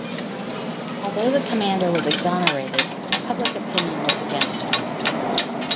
Although the commander was exonerated, public opinion was against him.